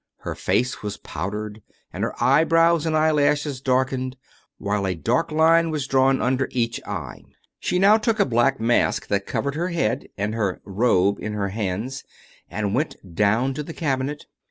Her face was powdered and her eyebrows and eye lashes darkened, while a dark line was drawn under each eye. She now took a black mask that covered her head, and her " robe " in her hands, and went down to the cabinet.